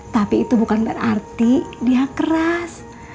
tapi itu bukan berarti dia keras